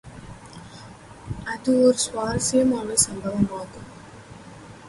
அது ஒர் சுவாரசியமான சம்பவமாகும்.